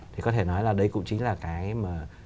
thì có thể nói là đây cũng chính là cái mà